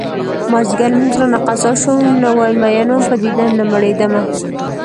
مازديګر لمونځ رانه قضا شو نوی مين وم په دیدن نه مړيدمه